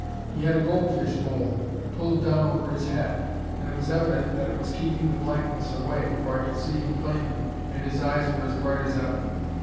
He had a goldfish bowl pulled down over his head and it was evident that it was keeping the blackness away, for I could see him plainly and his eyes were as bright as ever.